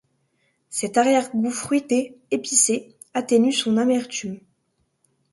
Cet arrière-goût fruité, épicé, atténue son amertume.